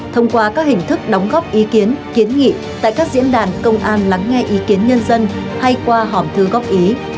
thông qua các hình thức đóng góp ý kiến kiến nghị tại các diễn đàn công an lắng nghe ý kiến nhân dân hay qua hòm thư góp ý